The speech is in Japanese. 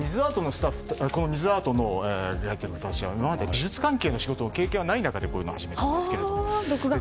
水アートをやっている方たちは今まで美術関係の仕事の経験はない中でこういうのを始めたんですが。